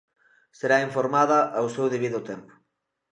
"Será informada ao seu debido tempo".